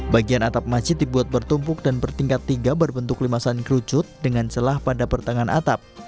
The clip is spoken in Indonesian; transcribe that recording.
bagian atap masjid dibuat bertumpuk dan bertingkat tiga berbentuk limasan kerucut dengan celah pada pertangan atap